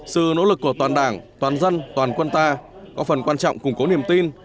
sự nỗ lực của toàn đảng toàn dân toàn quân ta có phần quan trọng củng cố niềm tin